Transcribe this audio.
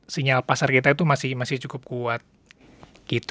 sinyal pasar kita itu masih cukup kuat